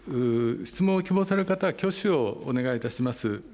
質問を希望される方は挙手をお願いいたします。